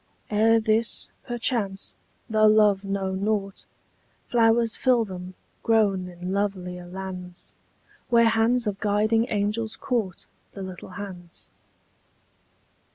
Ere this, perchance, though love know nought, Flowers fill them, grown in lovelier lands, Where hands of guiding angels caught The little hands.